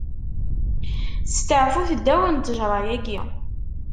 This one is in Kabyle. Steɛfut ddaw n ttejṛa-agi.